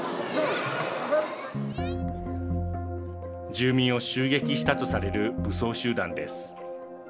住民を襲撃したとされる武装集団です。